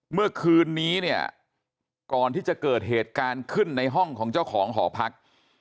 เมื่อคืนนี้เนี่ยก่อนที่จะเกิดเหตุการณ์ขึ้นในห้องของเจ้าของหอพัก